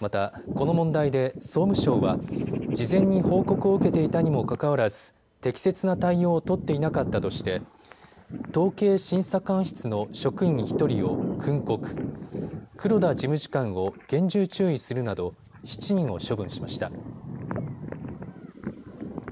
また、この問題で総務省は事前に報告を受けていたにもかかわらず適切な対応を取っていなかったとして統計審査官室の職員１人を訓告、黒田事務次官を厳重注意するなど７人を処分しました。